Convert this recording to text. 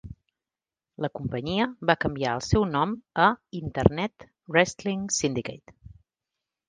La companyia va canviar el seu nom a Internet Wrestling Syndicate.